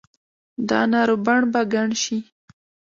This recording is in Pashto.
دا نارو بڼ به ګڼ شي